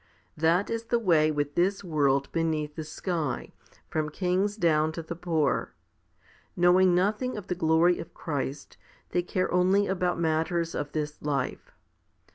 That is the way with this world beneath the sky, from kings down to the poor. Knowing nothing of the glory of Christ, they care only about matters of this life.